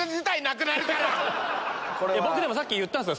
僕さっき言ったんですよ